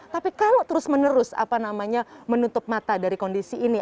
tapi kalau terus menerus menutup mata dari kondisi ini